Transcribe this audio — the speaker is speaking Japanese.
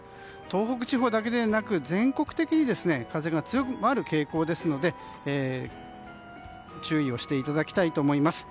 東北地方だけでなく全国的に風が強まる傾向ですので注意していただきたいと思います。